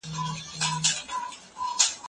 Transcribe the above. ښوونکي وويل چي علم د ټولني د پرمختګ کلي ده.